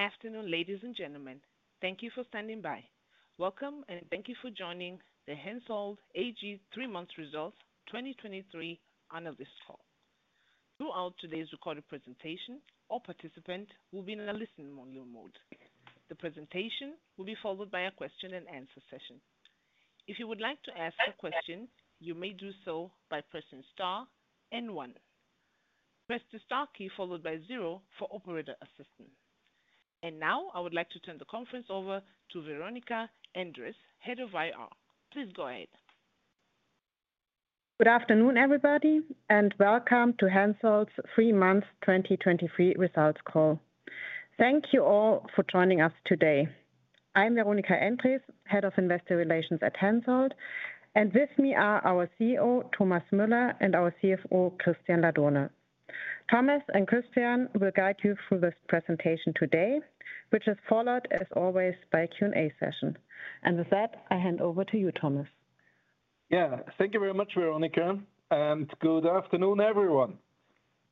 Afternoon, ladies and gentlemen. Thank you for standing by. Welcome, and thank you for joining the Hensoldt AG three-month results 2023 analyst call. Throughout today's recorded presentation, all participant will be in a listen-only mode. The presentation will be followed by a question and answer session. If you would like to ask a question, you may do so by pressing star then one. Press the star key followed by zero for operator assistance. Now, I would like to turn the conference over to Veronika Endres, Head of IR. Please go ahead. Good afternoon, everybody, welcome to Hensoldt's three-month 2023 results call. Thank you all for joining us today. I'm Veronika Endres, Head of Investor Relations at Hensoldt. With me are our CEO, Thomas Müller, and our CFO, Christian Ladurner. Thomas and Christian will guide you through this presentation today, which is followed, as always, by a Q&A session. With that, I hand over to you, Thomas. Yeah. Thank you very much, Veronika, good afternoon, everyone.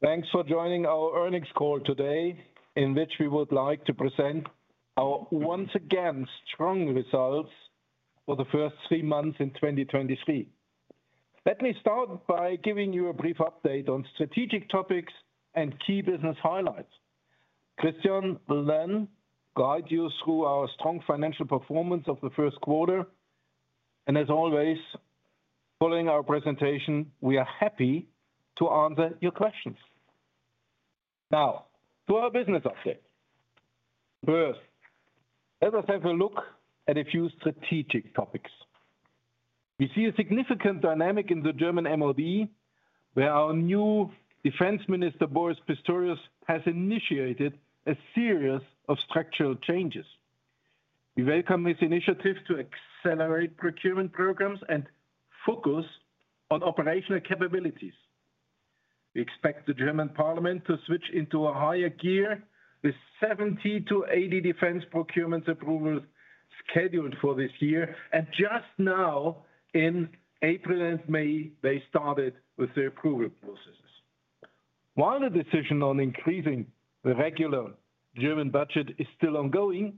Thanks for joining our earnings call today in which we would like to present our once again strong results for the first three months in 2023. Let me start by giving you a brief update on strategic topics and key business highlights. Christian will guide you through our strong financial performance of the first quarter. As always, following our presentation, we are happy to answer your questions. To our business update. First, let us have a look at a few strategic topics. We see a significant dynamic in the German MoD, where our new Defense Minister, Boris Pistorius, has initiated a series of structural changes. We welcome his initiative to accelerate procurement programs and focus on operational capabilities. We expect the German parliament to switch into a higher gear with 70 to 80 defense procurements approvals scheduled for this year. Just now in April and May, they started with the approval processes. While the decision on increasing the regular German budget is still ongoing,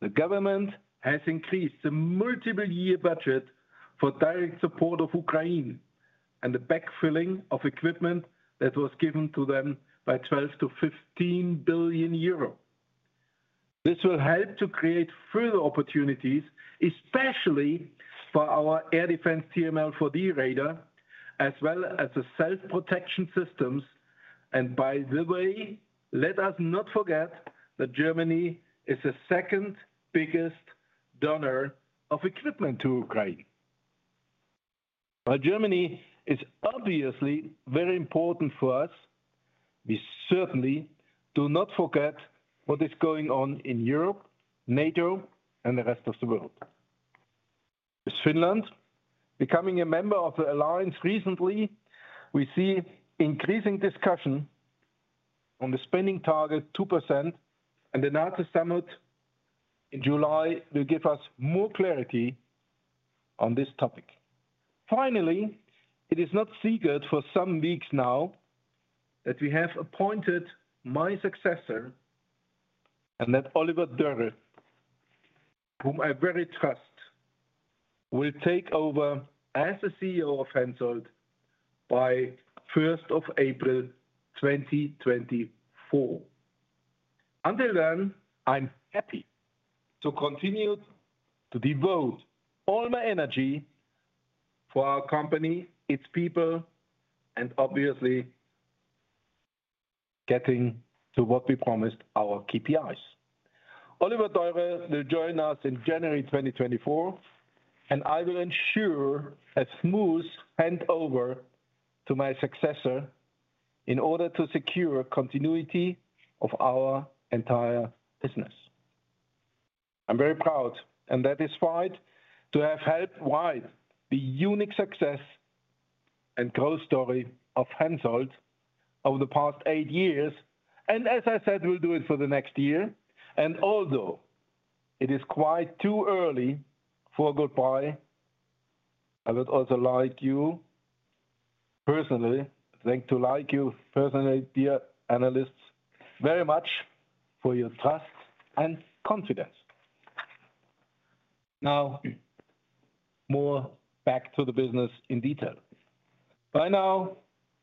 the government has increased the multiple year budget for direct support of Ukraine and the backfilling of equipment that was given to them by 12 billion-15 billion euro. This will help to create further opportunities, especially for our air defense TLM for the radar as well as the self-protection systems. By the way, let us not forget that Germany is the second biggest donor of equipment to Ukraine. While Germany is obviously very important for us, we certainly do not forget what is going on in Europe, NATO, and the rest of the world. With Finland becoming a member of the alliance recently, we see increasing discussion on the spending target 2%, and the NATO Summit in July will give us more clarity on this topic. Finally, it is not secret for some weeks now that we have appointed my successor and that Oliver Dörre, whom I very trust, will take over as the CEO of Hensoldt by April 1, 2024. Until then, I'm happy to continue to devote all my energy for our company, its people, and obviously getting to what we promised our KPIs. Oliver Dörre will join us in January 2024, and I will ensure a smooth handover to my successor in order to secure continuity of our entire business. I'm very proud and satisfied to have helped ride the unique success and growth story of Hensoldt over the past eight years, and as I said, we'll do it for the next year. Although it is quite too early for goodbye, I would also like you personally, dear analysts, very much for your trust and confidence. Now more back to the business in detail. By now,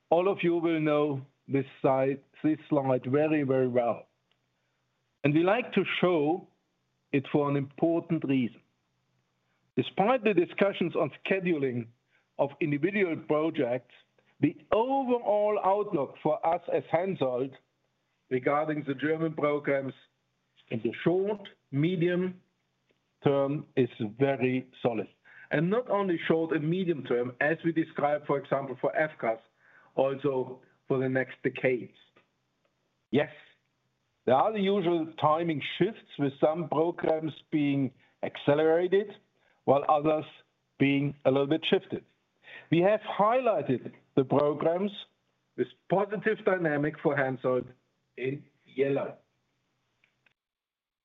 all of you will know this slide very, very well, and we like to show it for an important reason. Despite the discussions on scheduling of individual projects, the overall outlook for us as Hensoldt regarding the German programs in the short, medium term is very solid. Not only short and medium term, as we described, for example, for FCAS also for the next decades. Yes, there are the usual timing shifts with some programs being accelerated while others being a little bit shifted. We have highlighted the programs with positive dynamic for Hensoldt in yellow.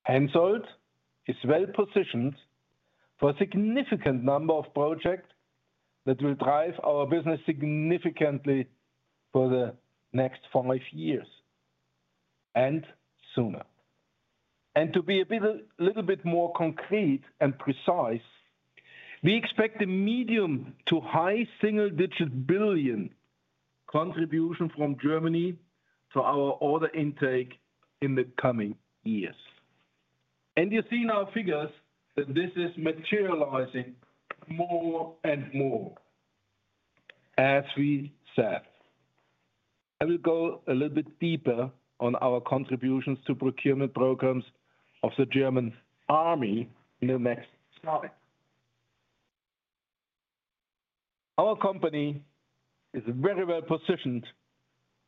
Hensoldt is well-positioned for a significant number of projects that will drive our business significantly for the next four to five years and sooner. To be a bit, little bit more concrete and precise, we expect a medium to high single-digit billion of euros contribution from Germany to our order intake in the coming years. You see in our figures that this is materializing more and more as we said. I will go a little bit deeper on our contributions to procurement programs of the German Army in the next slide. Our company is very well-positioned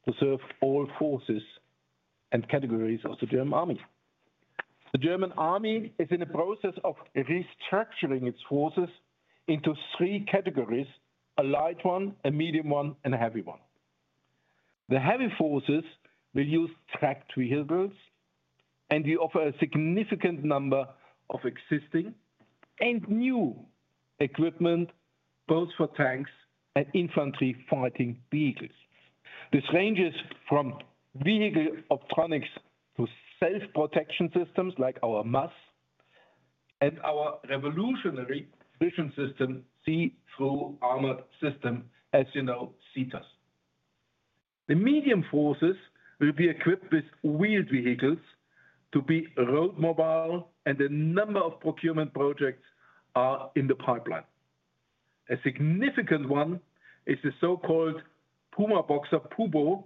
to serve all forces and categories of the German Army. The German Army is in the process of restructuring its forces into three categories, a light one, a medium one, and a heavy one. The heavy forces will use tracked vehicles, and we offer a significant number of existing and new equipment, both for tanks and infantry fighting vehicles. This ranges from vehicle optronics to self-protection systems like our MUSS and our revolutionary vision system, See Through Armored System, as you know, STAS. The medium forces will be equipped with wheeled vehicles to be road mobile, and a number of procurement projects are in the pipeline. A significant one is the so-called Puma-Boxer, PuBo,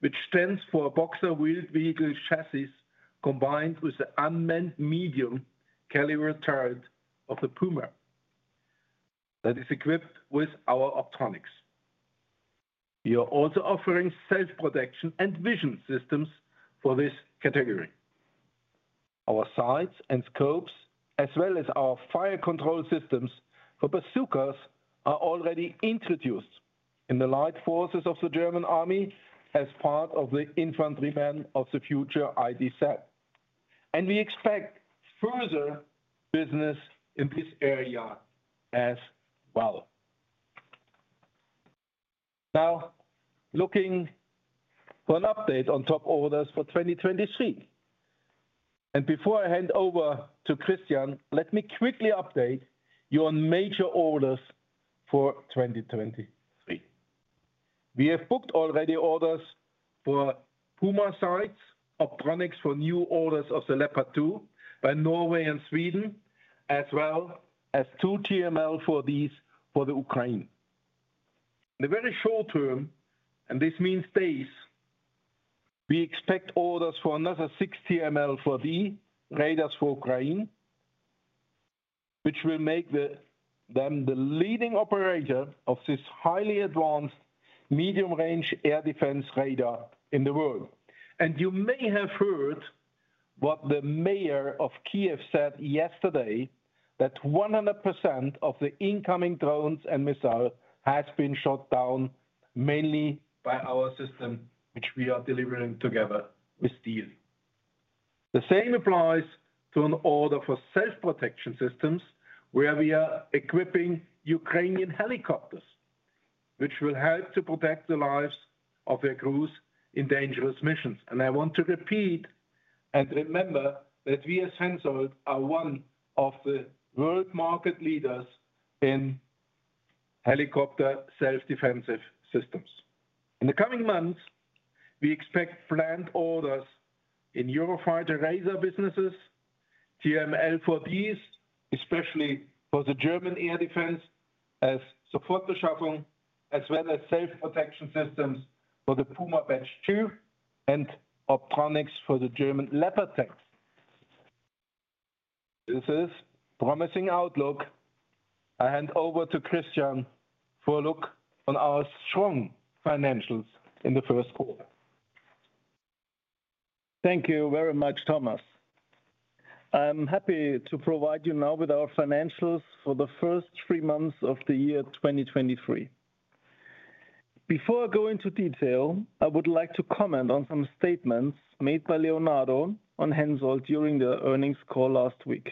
which stands for a Boxer wheeled vehicle chassis combined with the unmanned medium caliber turret of the Puma that is equipped with our optronics. We are also offering self-protection and vision systems for this category. Our sights and scopes, as well as our fire control systems for bazookas, are already introduced in the light forces of the German Army as part of the Infanterist der Zukunft IdZ. We expect further business in this area as well. Now, looking for an update on top orders for 2023. Before I hand over to Christian Ladurner, let me quickly update you on major orders for 2023. We have booked already orders for Puma sights, optronics for new orders of the Leopard 2 by Norway and Sweden, as well as two TRML-4D for Ukraine. In the very short term, and this means days, we expect orders for another six TRML-4D radars for Ukraine, which will make them the leading operator of this highly advanced medium-range air defense radar in the world. You may have heard what the mayor of Kyiv said yesterday that 100% of the incoming drones and missiles has been shot down mainly by our system, which we are delivering together with Diehl. The same applies to an order for self-protection systems where we are equipping Ukrainian helicopters, which will help to protect the lives of their crews in dangerous missions. I want to repeat and remember that we as Hensoldt are one of the world market leaders in helicopter self-defensive systems. In the coming months, we expect planned orders in Eurofighter Radar businesses, TRML-4D, especially for the German air defense as support the Puma Batch 2 and optronics for the German Leopard tanks. This is promising outlook. I hand over to Christian for a look on our strong financials in the first quarter. Thank you very much, Thomas. I'm happy to provide you now with our financials for the first three months of 2023. Before I go into detail, I would like to comment on some statements made by Leonardo on Hensoldt during the earnings call last week.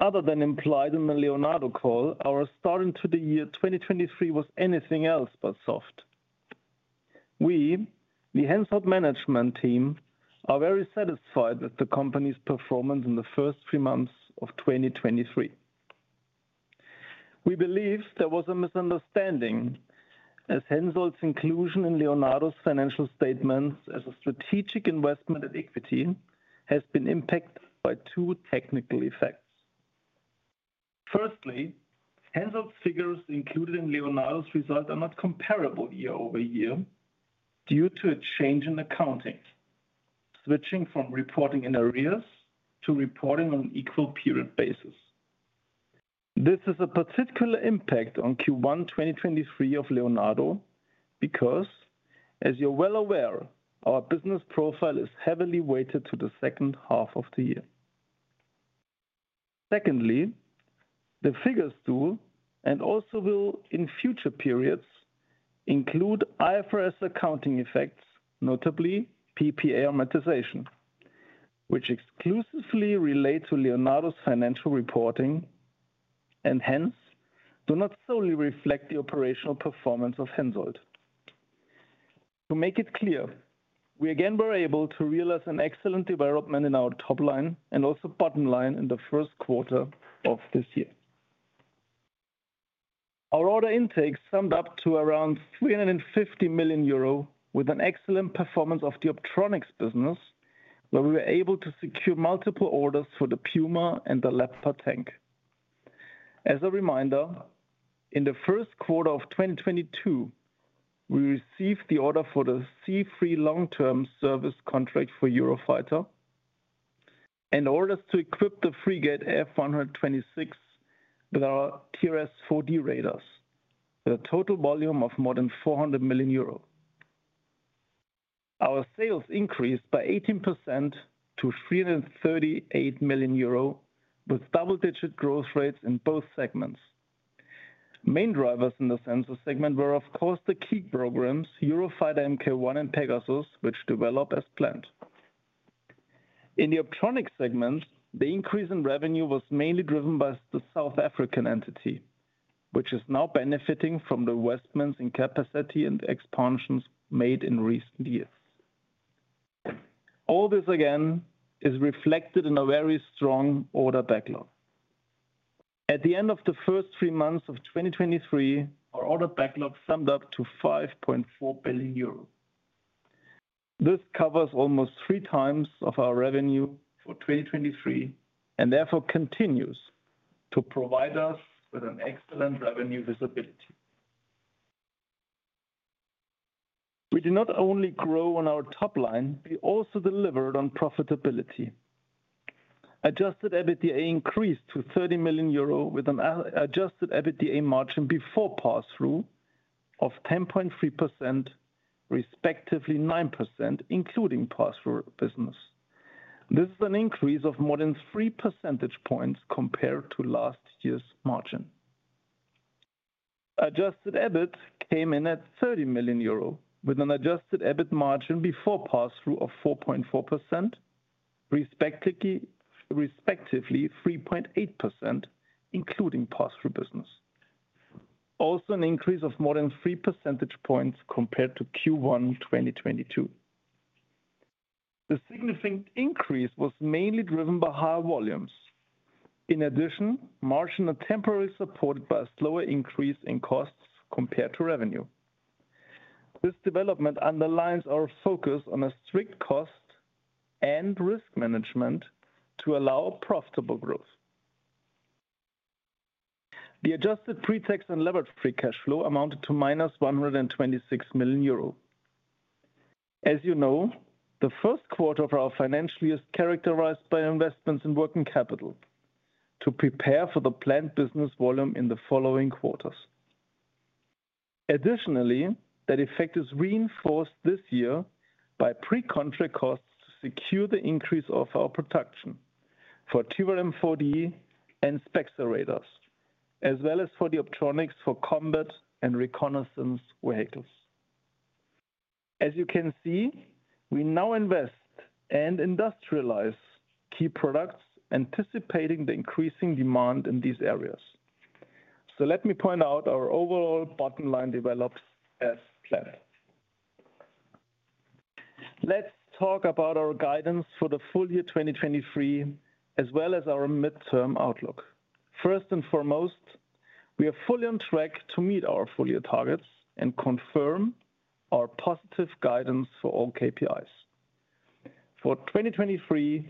Other than implied in the Leonardo call, our start into 2023 was anything else but soft. We, the Hensoldt management team, are very satisfied with the company's performance in the first three months of 2023. We believe there was a misunderstanding as Hensoldt's inclusion in Leonardo's financial statements as a strategic investment and equity has been impacted by two technical effects. Firstly, Hensoldt's figures included in Leonardo's results are not comparable year-over-year due to a change in accounting, switching from reporting in arrears to reporting on an equal period basis. This has a particular impact on Q1 2023 of Leonardo because, as you're well aware, our business profile is heavily weighted to the second half of the year. Secondly, the figures tool and also will in future periods include IFRS accounting effects, notably PPA amortization, which exclusively relate to Leonardo's financial reporting and hence do not solely reflect the operational performance of Hensoldt. To make it clear, we again were able to realize an excellent development in our top line and also bottom line in the first quarter of this year. Our order intake summed up to around 350 million euro with an excellent performance of the optronics business, where we were able to secure multiple orders for the Puma and the Leopard tank. As a reminder, in the first quarter of 2022, we received the order for the C-3 long-term service contract for Eurofighter and orders to equip the Frigate F126 with our TRS-4D radars with a total volume of more than 400 million euros. Our sales increased by 18% to 338 million euros with double-digit growth rates in both segments. Main drivers in the sensor segment were, of course, the key programs, Eurofighter Mk1 and PEGASUS, which developed as planned. In the optronics segment, the increase in revenue was mainly driven by the South African entity, which is now benefiting from the investments in capacity and expansions made in recent years. All this again is reflected in a very strong order backlog. At the end of the first three months of 2023, our order backlog summed up to 5.4 billion euros. This covers almost 3x of our revenue for 2023 and therefore continues to provide us with an excellent revenue visibility. We did not only grow on our top line, we also delivered on profitability. Adjusted EBITDA increased to 30 million euro with an adjusted EBITDA margin before pass-through of 10.3%, respectively 9%, including pass-through business. This is an increase of more than 3 percentage points compared to last year's margin. Adjusted EBIT came in at 30 million euro with an adjusted EBIT margin before pass-through of 4.4%, respectively 3.8% including pass-through business. Also an increase of more than 3 percentage points compared to Q1 2022. The significant increase was mainly driven by higher volumes. In addition, margin are temporarily supported by a slower increase in costs compared to revenue. This development underlines our focus on a strict cost and risk management to allow profitable growth. The adjusted pre-tax and leverage free cash flow amounted to -126 million euro. As you know, the first quarter of our financial year is characterized by investments in working capital to prepare for the planned business volume in the following quarters. Additionally, that effect is reinforced this year by pre-contract costs to secure the increase of our production for TRML-4D and SPEXER radars, as well as for the optronics for combat and reconnaissance vehicles. As you can see, we now invest and industrialize key products anticipating the increasing demand in these areas. Let me point out our overall bottom line develops as planned. Let's talk about our guidance for the full year 2023, as well as our midterm outlook. First and foremost, we are fully on track to meet our full-year targets and confirm our positive guidance for all KPIs. For 2023,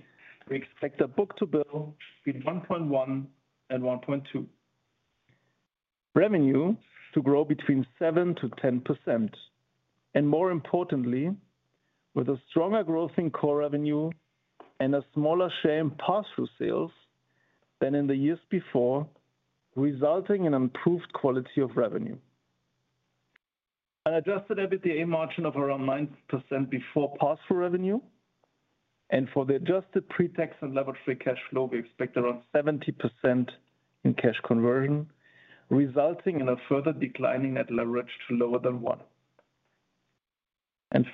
we expect the book-to-bill between 1.1 and 1.2. Revenue to grow between 7%-10% and more importantly, with a stronger growth in core revenue and a smaller share in pass-through sales than in the years before, resulting in improved quality of revenue. An adjusted EBITDA margin of around 9% before pass-through revenue and for the adjusted pre-tax and leverage free cash flow, we expect around 70% in cash conversion, resulting in a further declining net leverage to lower than 1.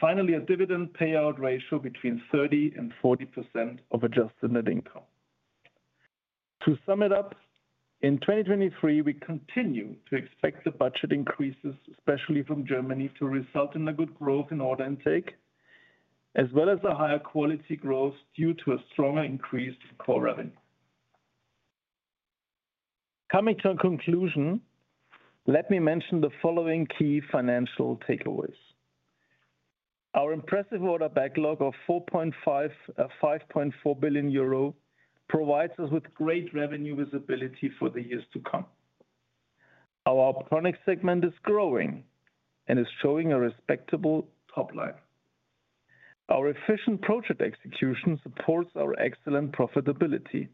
Finally, a dividend payout ratio between 30% and 40% of adjusted net income. To sum it up, in 2023, we continue to expect the budget increases, especially from Germany, to result in a good growth in order intake, as well as a higher quality growth due to a stronger increase in core revenue. Coming to a conclusion, let me mention the following key financial takeaways. Our impressive order backlog of 5.4 billion euro provides us with great revenue visibility for the years to come. Our optronics segment is growing and is showing a respectable top line. Our efficient project execution supports our excellent profitability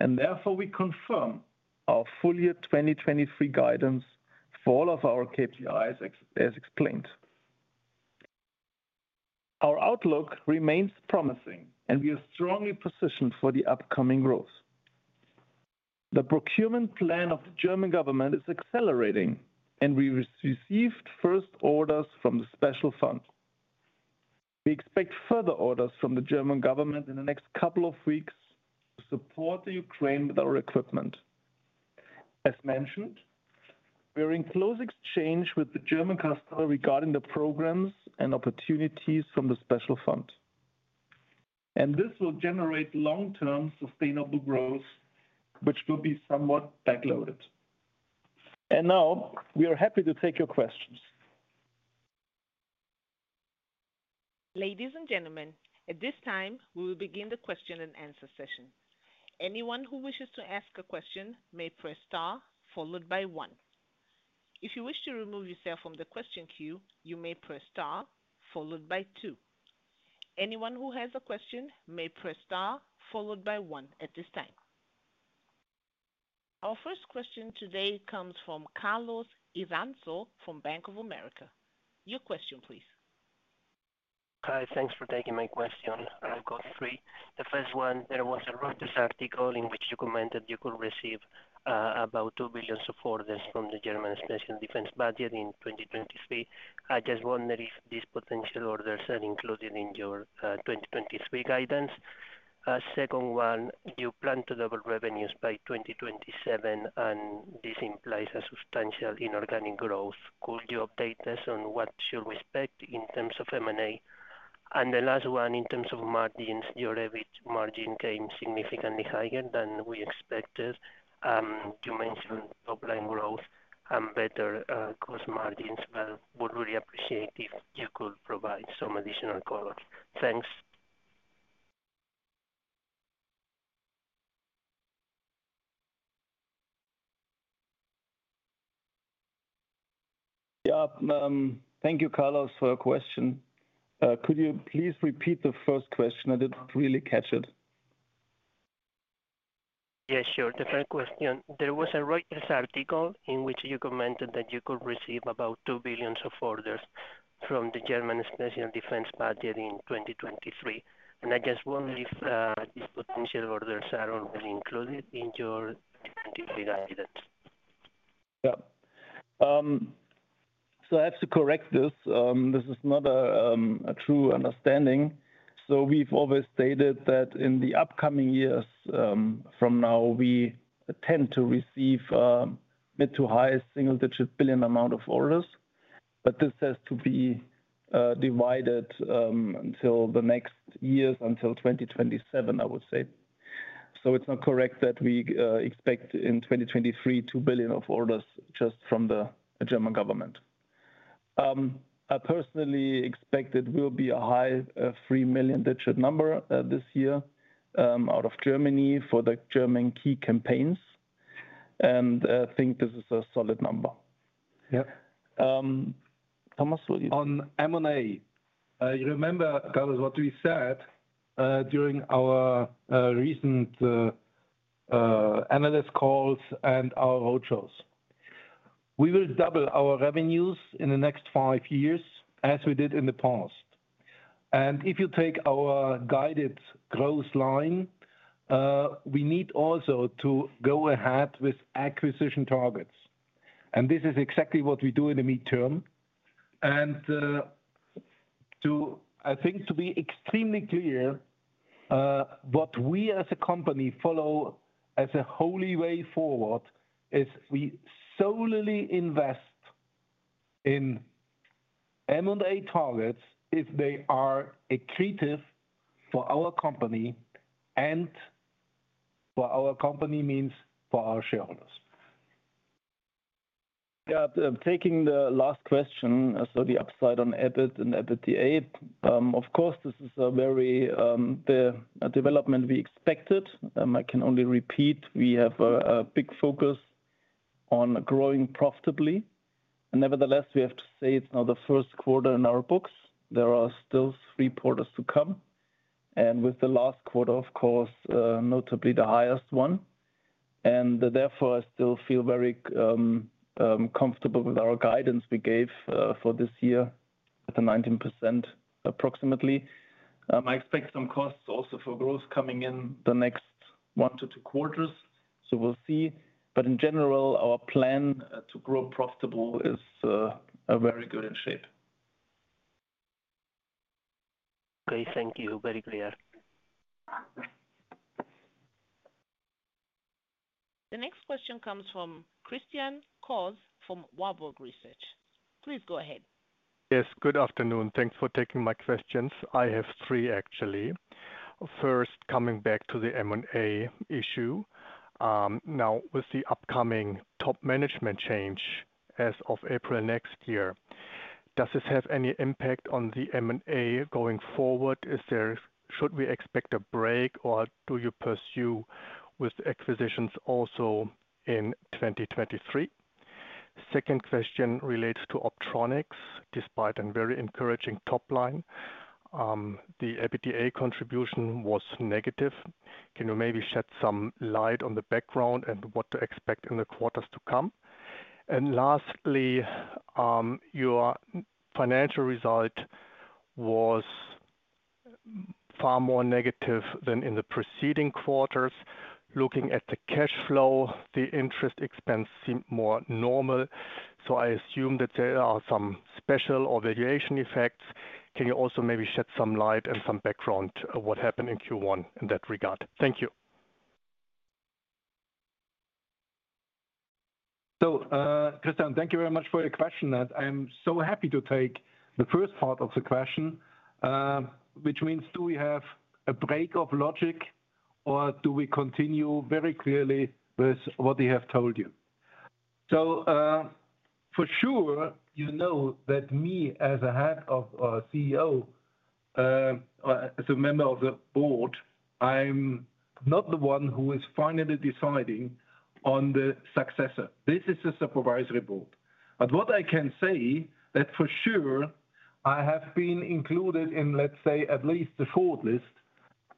and therefore we confirm our full year 2023 guidance for all of our KPIs as explained. Our outlook remains promising, and we are strongly positioned for the upcoming growth. The procurement plan of the German government is accelerating, and we received first orders from the Special Fund. We expect further orders from the German government in the next couple of weeks to support the Ukraine with our equipment. As mentioned, we're in close exchange with the German customer regarding the programs and opportunities from the Special Fund. This will generate long-term sustainable growth, which will be somewhat back-loaded. Now we are happy to take your questions. Ladies and gentlemen, at this time, we will begin the question and answer session. Anyone who wishes to ask a question may press star followed by one. If you wish to remove yourself from the question queue, you may press star followed by two. Anyone who has a question may press star followed by one at this time. Our first question today comes from Carlos Iranzo from Bank of America. Your question please. Hi. Thanks for taking my question. I've got three. The first one, there was a Reuters article in which you commented you could receive about 2 billion of orders from the German special defense budget in 2023. I just wonder if these potential orders are included in your 2023 guidance. Second one, you plan to double revenues by 2027, and this implies a substantial inorganic growth. Could you update us on what should we expect in terms of M&A? Last one, in terms of margins, your average margin came significantly higher than we expected. You mentioned top-line growth and better cost margins, but would really appreciate if you could provide some additional color. Thanks. Yeah. Thank you, Carlos, for your question. Could you please repeat the first question? I didn't really catch it. Yeah, sure. The first question, there was a Reuters article in which you commented that you could receive about 2 billion of orders from the German special defense budget in 2023. I just wonder if these potential orders are already included in your 2023 guidance? Yeah. I have to correct this. This is not a true understanding. We've always stated that in the upcoming years, from now, we tend to receive mid to high single digit billion amount of orders. This has to be divided until the next years until 2027, I would say. It's not correct that we expect in 2023 2 billion of orders just from the German government. I personally expect it will be a high 3 million digit number this year out of Germany for the German key campaigns, and I think this is a solid number. Yep. Thomas will you? On M&A, you remember, Carlos, what we said during our recent analyst calls and our roadshows. We will double our revenues in the next five years as we did in the past. If you take our guided growth line, we need also to go ahead with acquisition targets. This is exactly what we do in the midterm. I think to be extremely clear, what we as a company follow as a holy way forward is we solely invest in M&A targets if they are accretive for our company and what our company means for our shareholders. Yeah. Taking the last question. The upside on EBIT and EBITDA, of course, this is a very, the development we expected. I can only repeat, we have a big focus on growing profitably. Nevertheless, we have to say it's now the first quarter in our books. There are still three quarters to come. With the last quarter, of course, notably the highest one. Therefore, I still feel very comfortable with our guidance we gave for this year at the 19% approximately. I expect some costs also for growth coming in the next one to two quarters. We'll see. In general, our plan to grow profitable is very good in shape. Okay. Thank you. Very clear. The next question comes from Christian Cohrs from Warburg Research. Please go ahead. Yes, good afternoon. Thanks for taking my questions. I have three actually. First, coming back to the M&A issue. Now with the upcoming top management change as of April next year, does this have any impact on the M&A going forward? Should we expect a break, or do you pursue with acquisitions also in 2023? Second question relates to Optronics. Despite a very encouraging top line, the EBITDA contribution was negative. Can you maybe shed some light on the background and what to expect in the quarters to come? Lastly, your financial result was far more negative than in the preceding quarters. Looking at the cash flow, the interest expense seemed more normal. I assume that there are some special or variation effects. Can you also maybe shed some light and some background what happened in Q1 in that regard? Thank you. Christian, thank you very much for your question. That I am so happy to take the first part of the question, which means do we have a break of logic or do we continue very clearly with what we have told you? For sure, you know that me as a head of a CEO, or as a member of the board, I'm not the one who is finally deciding on the successor. This is a supervisory board. What I can say that for sure I have been included in, let's say, at least the short list.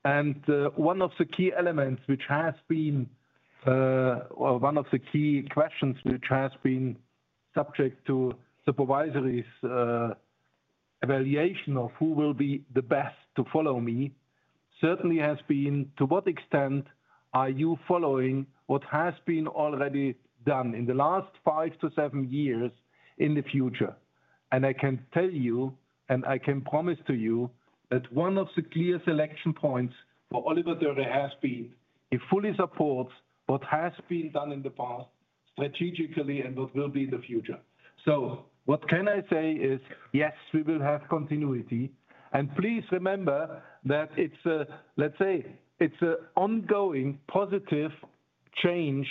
One of the key elements which has been, or one of the key questions which has been subject to supervisory's evaluation of who will be the best to follow me, certainly has been, to what extent are you following what has been already done in the last five to seven years in the future. I can tell you, and I can promise to you that one of the clear selection points for Oliver Dörre has been, he fully supports what has been done in the past strategically and what will be the future. What can I say is, yes, we will have continuity. Please remember that it's an ongoing positive change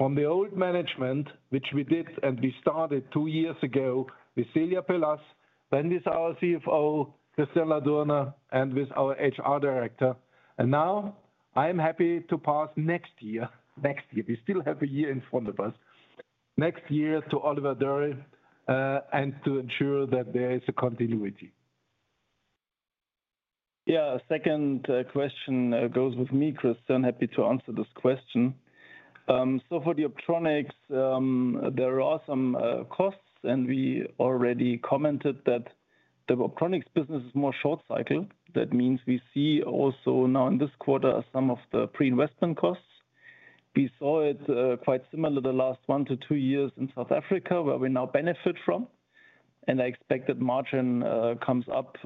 on the old management, which we did, and we started two years ago with Celia Pelaz, then with our CFO, Christian Ladurner, and with our HR director. Now I am happy to pass next year. Next year. We still have a year in front of us. Next year to Oliver Dörre and to ensure that there is a continuity. Yeah. Second question, goes with me, Christian. Happy to answer this question. So for the Optronics, there are some costs, and we already commented that the Optronics business is more short cycling. That means we see also now in this quarter some of the pre-investment costs. We saw it quite similar the last one to two years in South Africa, where we now benefit from. I expect that margin comes up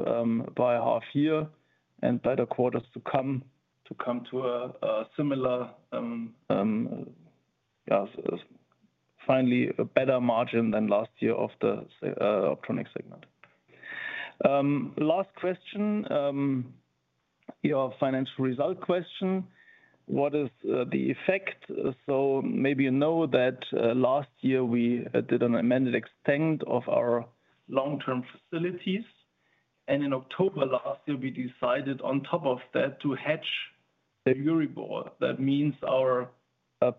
by a half year and better quarters to come, to come to a similar, finally a better margin than last year of the Optronics segment. Last question. Your financial result question, what is the effect? Maybe you know that last year we did an amended extent of our long-term facilities. In October last year we decided on top of that to hedge the Euribor. That means our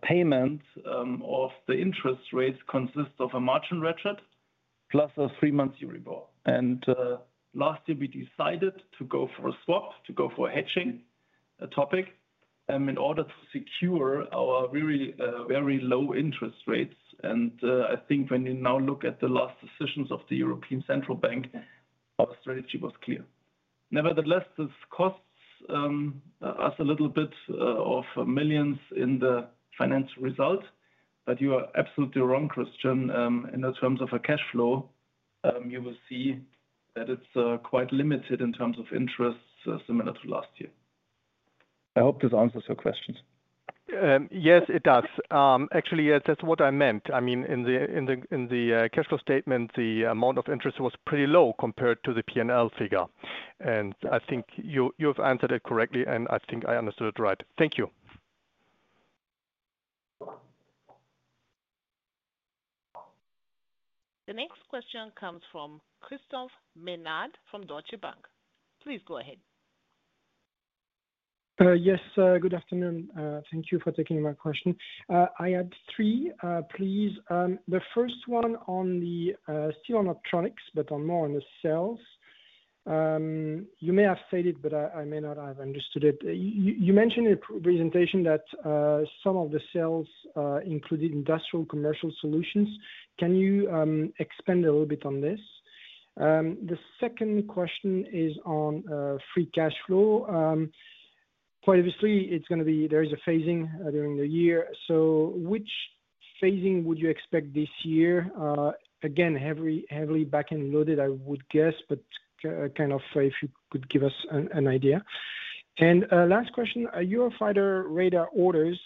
payment of the interest rates consists of a margin ratchet plus a three-month Euribor. Last year we decided to go for a swap, to go for hedging topic, in order to secure our really very low interest rates. I think when you now look at the last decisions of the European Central Bank, our strategy was clear. Nevertheless, this costs us a little bit of millions in the financial result. You are absolutely wrong, Christian. In terms of a cash flow, you will see that it's quite limited in terms of interest, similar to last year. I hope this answers your questions. Yes, it does. Actually, that's what I meant. I mean, in the cash flow statement, the amount of interest was pretty low compared to the P&L figure. I think you've answered it correctly, and I think I understood it right. Thank you. The next question comes from Christophe Menard from Deutsche Bank. Please go ahead. Yes. Good afternoon. Thank you for taking my question. I had three, please. The first one on the still on Optronics, but on more on the sales. You may have said it, but I may not have understood it. You mentioned in presentation that some of the sales included industrial commercial solutions. Can you expand a little bit on this? The second question is on free cash flow. Quite obviously it's gonna be there is a phasing during the year. Which phasing would you expect this year? Again, heavily back-end loaded, I would guess, but kind of if you could give us an idea. Last question. Eurofighter Radar orders.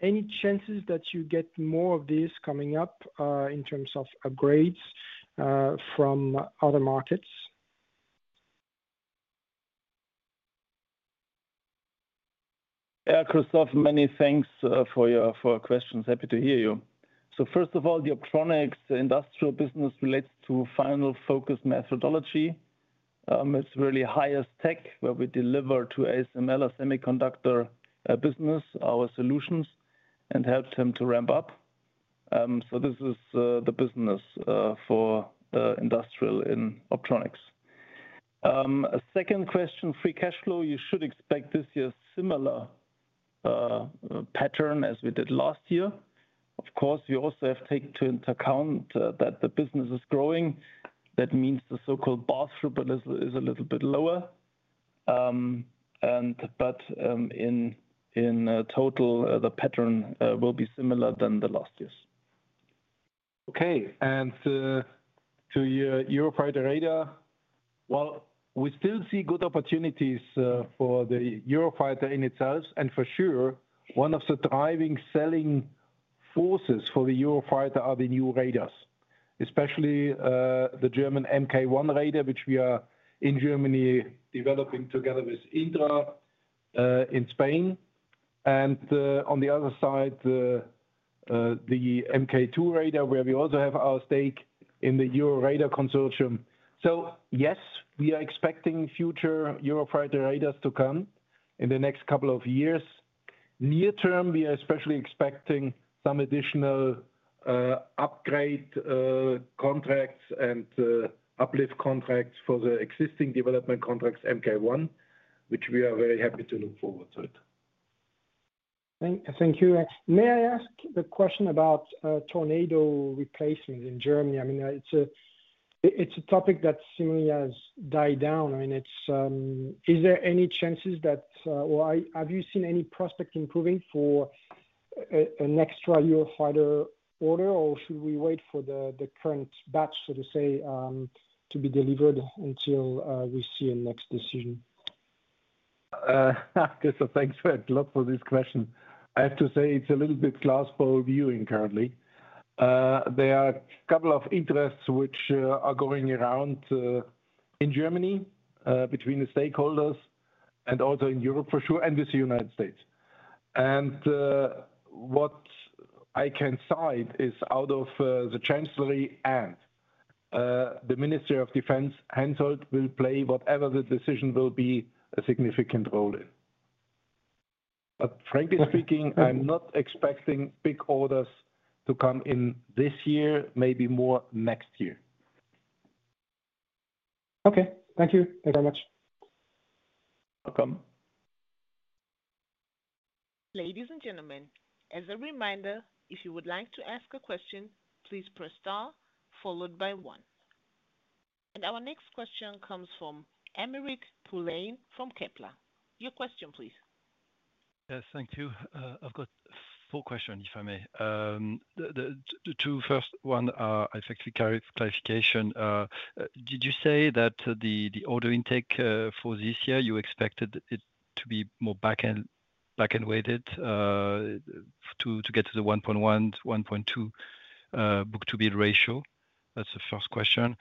Any chances that you get more of these coming up, in terms of upgrades, from other markets? Christophe, many thanks, for your questions. Happy to hear you. First of all, the Optronics industrial business relates to Final Focus Metrology. It's really highest tech where we deliver to ASML, a semiconductor, business, our solutions, and helps them to ramp up. This is the business for industrial in Optronics. A second question, free cash flow. You should expect this year similar pattern as we did last year. Of course, we also have taken into account that the business is growing. That means the so-called pass-through is a little bit lower. In total, the pattern will be similar than the last years. Okay. To Eurofighter Radar. We still see good opportunities for the Eurofighter in itself, and for sure, one of the driving selling forces for the Eurofighter are the new radars. Especially, the German Mk1 radar, which we are in Germany developing together with Indra in Spain, and on the other side, the Mk2 radar, where we also have our stake in the Euroradar consortium. Yes, we are expecting future Eurofighter Radars to come in the next couple of years. Near term, we are especially expecting some additional upgrade contracts and uplift contracts for the existing development contracts, Mk1, which we are very happy to look forward to it. Thank you. May I ask the question about Tornado replacement in Germany? I mean, it's a topic that seemingly has died down. I mean, it's, is there any chances that or have you seen any prospect improving for an extra Eurofighter order, or should we wait for the current batch, so to say, to be delivered until we see a next decision? Okay. Thanks a lot for this question. I have to say it's a little bit glass ball viewing currently. There are a couple of interests which are going around in Germany between the stakeholders and also in Europe, for sure, and with the United States. What I can cite is out of the chancellory and the Minister of Defense, Hensoldt will play, whatever the decision will be, a significant role in. Frankly speaking, I'm not expecting big orders to come in this year, maybe more next year. Okay. Thank you. Thank you very much. Welcome. Ladies and gentlemen, as a reminder, if you would like to ask a question, please press star followed by one. Our next question comes from Aymeric Poulain from Kepler. Your question, please. Yes, thank you. I've got four questions, if I may. The two first one are effectively clarification. Did you say that the order intake for this year, you expected it to be more back-end weighted to get to the 1.1-1.2 book-to-bill ratio? That's the first question.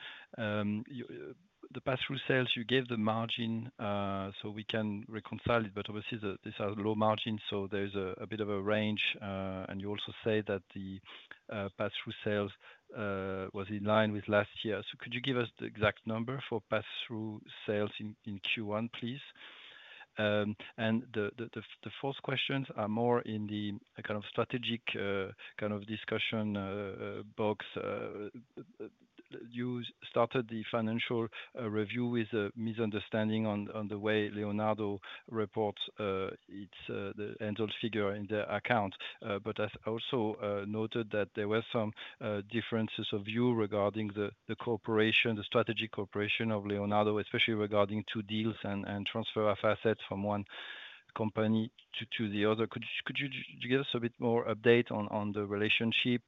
The pass-through sales, you gave the margin, so we can reconcile it, but obviously these are low margin, so there's a bit of a range. You also say that the pass-through sales was in line with last year. Could you give us the exact number for pass-through sales in Q1, please? The fourth questions are more in the kind of strategic kind of discussion box. You started the financial review with a misunderstanding on the way Leonardo reports its the end sale figure in their account. I also noted that there were some differences of view regarding the cooperation, the strategic cooperation of Leonardo, especially regarding two deals and transfer of assets from one company to the other. Could you give us a bit more update on the relationship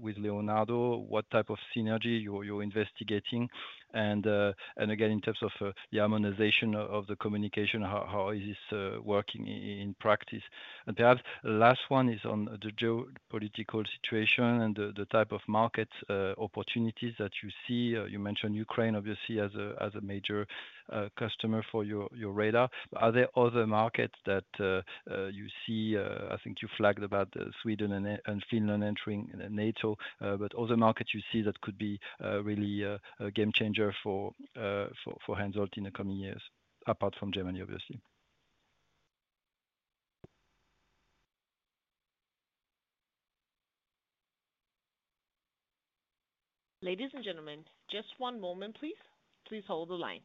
with Leonardo? What type of synergy you're investigating? Again, in terms of the harmonization of the communication, how is this working in practice? The last one is on the geopolitical situation and the type of market opportunities that you see. You mentioned Ukraine, obviously, as a major customer for your radar. Are there other markets that you see? I think you flagged about Sweden and Finland entering NATO, but other markets you see that could be really a game changer for Hensoldt in the coming years, apart from Germany, obviously. Ladies and gentlemen, just one moment, please. Please hold the line.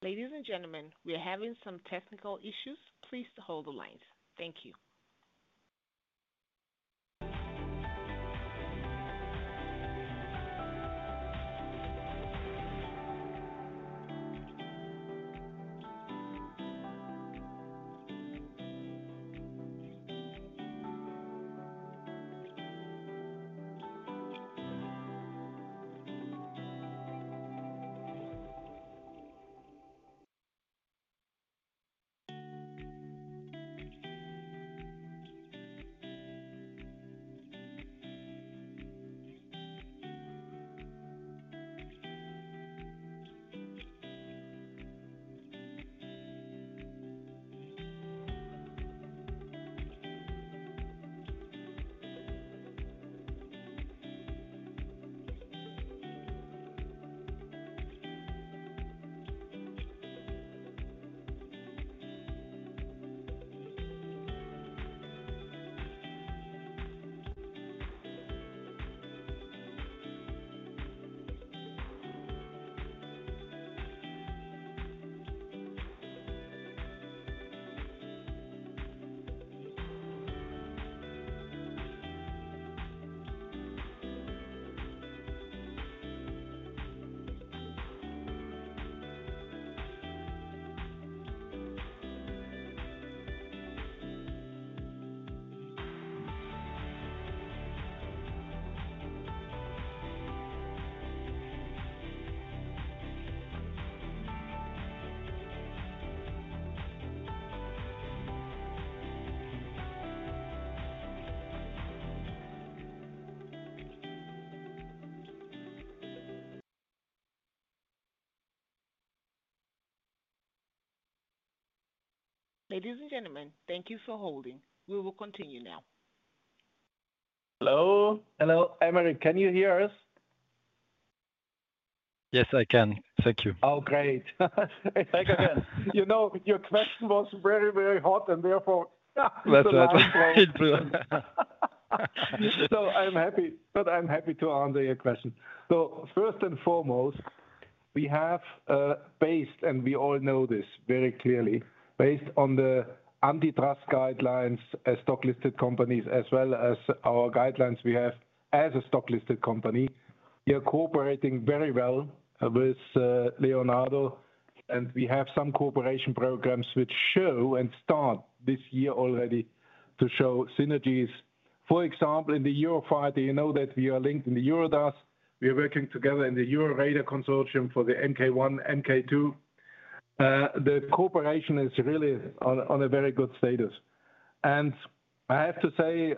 Ladies and gentlemen, we are having some technical issues. Please hold the lines. Thank you. Ladies and gentlemen, thank you for holding. We will continue now. Hello? Hello, Aymeric, can you hear us? Yes, I can. Thank you. Oh, great. Thank you again. You know, your question was very, very hot, and therefore- That's right. I'm happy, but I'm happy to answer your question. First and foremost, we have, based, and we all know this very clearly, based on the antitrust guidelines as stock-listed companies as well as our guidelines we have as a stock-listed company, we are cooperating very well with Leonardo, and we have some cooperation programs which show and start this year already to show synergies. For example, in the Eurofighter, you know that we are linked in the EuroDASS. We are working together in the EuroRADAR Consortium for the Mk1, Mk2. The cooperation is really on a very good status. I have to say,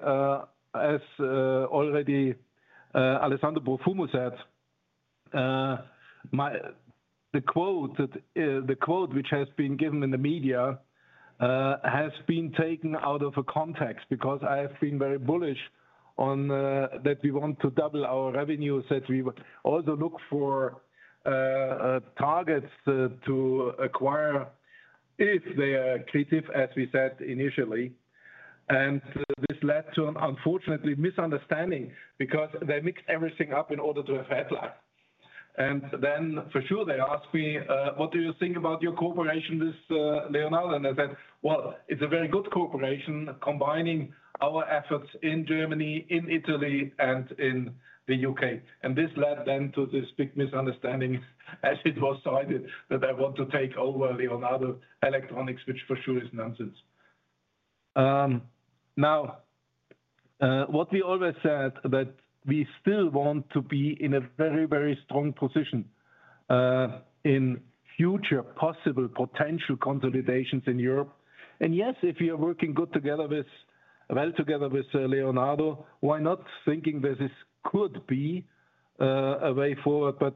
as already Alessandro Profumo said, the quote which has been given in the media has been taken out of a context because I have been very bullish on that we want to double our revenues, that we also look for targets to acquire if they are creative, as we said initially. This led to an unfortunately misunderstanding because they mixed everything up in order to have headline. Then for sure, they ask me, what do you think about your cooperation with Leonardo? I said, well, it's a very good cooperation, combining our efforts in Germany, in Italy, and in the U.K. This led then to this big misunderstanding as it was cited that I want to take over Leonardo Electronics, which for sure is nonsense. Now, what we always said that we still want to be in a very, very strong position in future possible potential consolidations in Europe. Yes, if we are working good together with Leonardo, why not thinking that this could be a way forward?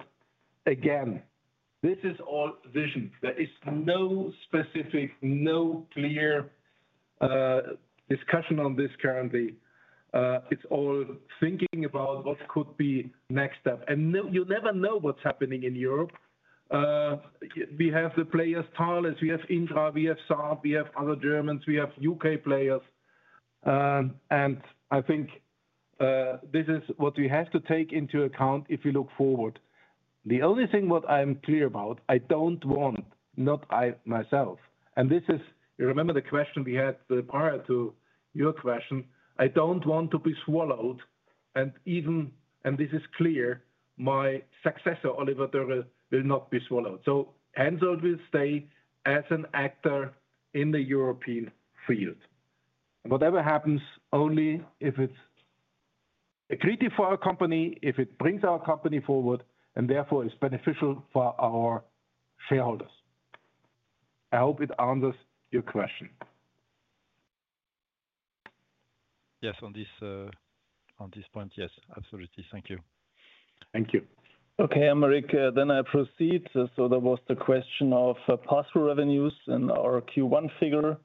Again, this is all vision. There is no specific, clear discussion on this currently. It's all thinking about what could be next step. You never know what's happening in Europe. We have the players Thales, we have Indra, we have Saab, we have other Germans, we have U.K. players. I think this is what we have to take into account if we look forward. The only thing what I'm clear about, I don't want, not I myself, and this is, you remember the question we had prior to your question, I don't want to be swallowed and even, and this is clear, my successor, Oliver Dörre, will not be swallowed. Hensoldt will stay as an actor in the European field. Whatever happens only if it's accretive for our company, if it brings our company forward and therefore is beneficial for our shareholders. I hope it answers your question. Yes, on this, on this point, yes, absolutely. Thank you. Thank you. Aymeric, I proceed. That was the question of pass-through revenues and our Q1 figure.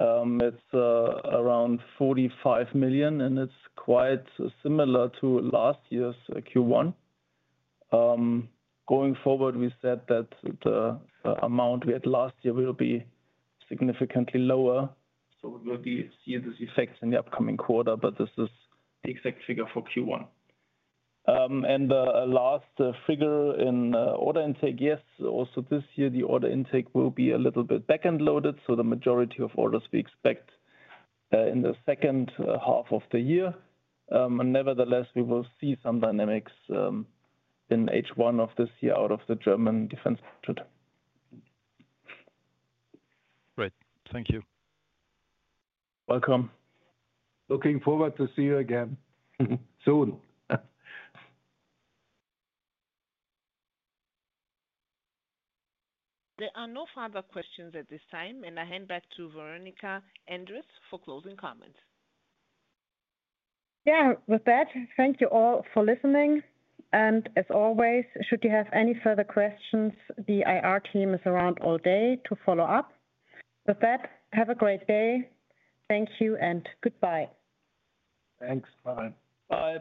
It's around 45 million, and it's quite similar to last year's Q1. Going forward, we said that the amount we had last year will be significantly lower, we will be seeing this effect in the upcoming quarter. This is the exact figure for Q1. The last figure in order intake, yes, also this year the order intake will be a little bit back-end loaded, the majority of orders we expect in the second half of the year. Nevertheless we will see some dynamics in H1 of this year out of the German defense budget. Great. Thank you. Welcome. Looking forward to see you again soon. There are no further questions at this time. I hand back to Veronika Endres for closing comments. Yeah. With that, thank you all for listening, and as always, should you have any further questions, the IR team is around all day to follow up. With that, have a great day. Thank you and goodbye. Thanks. Bye. Bye.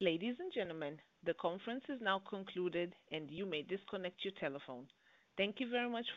Ladies and gentlemen, the conference is now concluded and you may disconnect your telephone. Thank you very much.